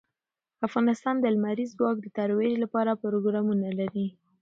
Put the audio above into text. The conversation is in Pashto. افغانستان د لمریز ځواک د ترویج لپاره پروګرامونه لري.